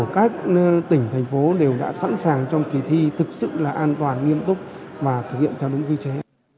các tỉnh thành phố đều đã sẵn sàng trong kỳ thi thực sự là an toàn nghiêm túc và thực hiện theo đúng quy chế